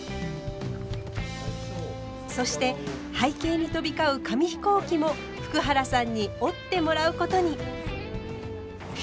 そして背景に飛び交う紙飛行機も福原さんに折ってもらうことに。